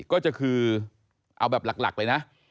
ก็จะคือเอาแบบหลักไปนะ